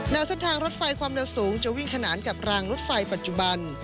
เส้นทางรถไฟความเร็วสูงจะวิ่งขนานกับรางรถไฟปัจจุบัน